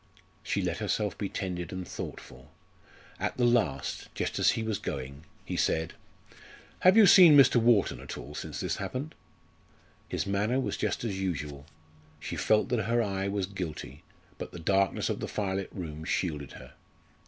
She let herself be tended and thought for. At the last, just as he was going, he said: "Have you seen Mr. Wharton at all since this happened?" His manner was just as usual. She felt that her eye was guilty, but the darkness of the firelit room shielded her.